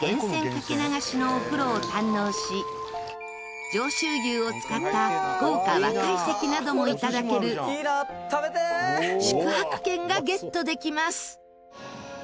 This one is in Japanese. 掛け流しのお風呂を堪能し上州牛を使った豪華和会席なども頂ける宿泊券がゲットできます。